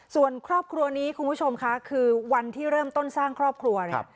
ส่วนครอบครัวนี้คุณผู้ชมค่ะคือวันที่เริ่มต้นสร้างครอบครัวเนี่ย